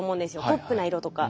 ポップな色とか。